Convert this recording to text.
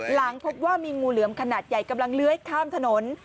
หลังพบว่ามีงูเหลือมขนาดใหญ่กำลังเลื้อยข้ามถนน